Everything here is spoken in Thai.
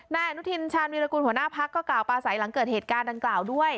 นายอนุทินชาญวิรากูลหัวหน้าพักก็กล่าวปลาใสหลังเกิดเหตุการณ์ดังกล่าวด้วย